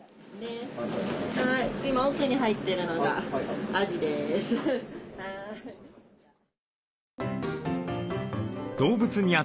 今奥に入ってるのがアジです。